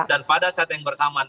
dan pada saat yang bersamaan